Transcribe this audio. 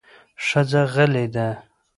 ښځه غلې ده